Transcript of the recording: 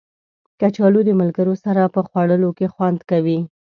کچالو د ملګرو سره په خوړلو کې خوند کوي